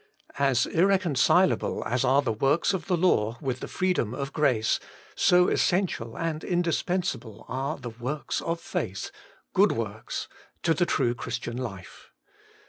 As irreconcilable as are the works of the law with the freedom of grace, so essential and indispensable are the works of faith, good works, to the true Christian life.